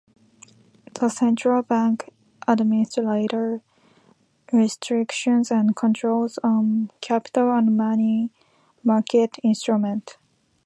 The Central Bank administers restrictions and controls on capital and money market instruments.